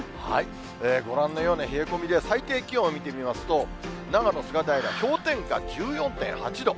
ご覧のような冷え込みで、最低気温を見てみますと、長野・菅平、氷点下１４．８度。